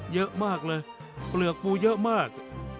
เยอะมากเลยเปลือกปูเยอะมาก